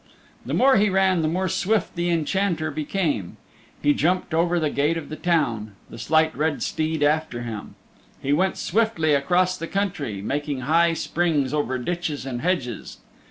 The more he ran the more swift the Enchanter became. He jumped over the gate of the town, the Slight Red Steed after him. He went swiftly across the country, making high springs over ditches and hedges.